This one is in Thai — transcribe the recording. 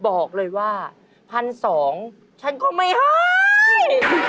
บอกเลยว่า๑๒๐๐ฉันก็ไม่ให้